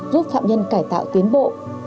giúp phạm nhân cải tạo tiến bộ